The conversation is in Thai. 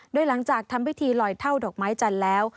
โดยหลังจากทำพิธีลอยเท่าดอกไม้จันทร์แล้ว